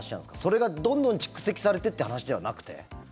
それがどんどん蓄積されてという話ではなくて？